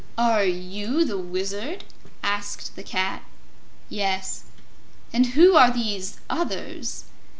"Are you the Wizard?" asked the Cat. "Yes." "And who are these others?"